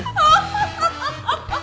ハハハハ！